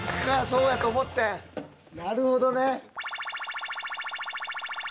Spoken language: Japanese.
そうやと思ってんなるほどね